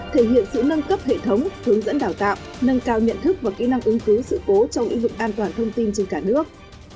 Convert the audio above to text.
thể hiện sự nâng cấp hệ thống hướng dẫn đào tạo nâng cao nhận thức và kỹ năng ứng cứu sự cố trong ứng dụng an toàn thông tin trên cả nước